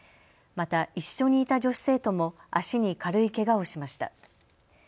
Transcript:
また一緒にいた女子生徒も足に軽いけがをしました。